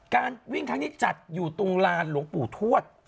การวิ่งครั้งนี้จัดอยู่ตรงลานหลวงปู่ทวด